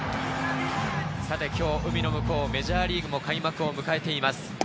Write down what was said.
さて今日、海の向こう、メジャーリーグも開幕を迎えています。